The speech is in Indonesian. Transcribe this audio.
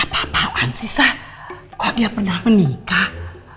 apa apaan sih sah kok dia pernah menikah